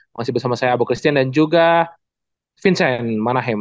masih bersama saya abu christian dan juga vincent manahemo